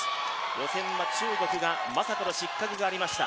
予選は中国がまさかの失格がありました。